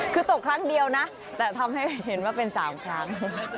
คือตกครั้งเดียวนะแต่ทำให้เห็นว่าเป็น๓ครั้ง